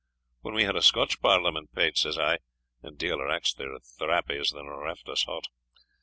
When we had a Scotch Parliament, Pate,' says I (and deil rax their thrapples that reft us o't!)